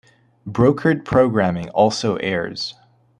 Brokered programming also airs.